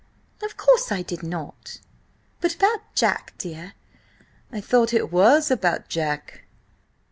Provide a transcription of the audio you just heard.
"Of course I did not. But about Jack, dear—" "I thought it was about Jack?"